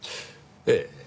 ええ。